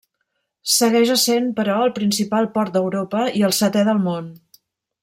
Segueix essent però el principal port d'Europa i el setè del món.